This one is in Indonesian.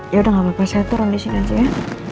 yaudah nggak apa apa saya turun di sini nanti ya